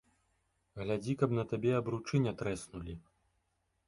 Глядзі, каб на табе абручы не трэснулі!